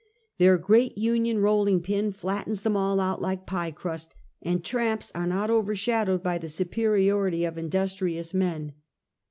Their great Union rolling pin flattens them all out like pie crust, and tramps are not overshadowed by the supe riority of industrious men.